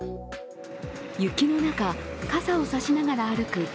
雪の中、傘を差しながら歩く